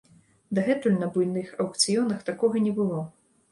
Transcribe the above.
Дагэтуль на буйных аўкцыёнах такога не было.